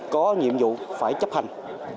có nhiệm vụ phải chấp hành